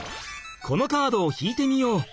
このカードを引いてみよう。